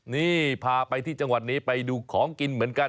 นี่พาไปที่จังหวัดนี้ไปดูของกินเหมือนกัน